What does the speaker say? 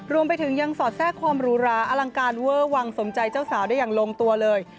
รวมไปถึงยังสอดแทรกความหรูหราอลังการเวอร์วังสมใจเจ้าสาวได้อย่างลงตัวเลย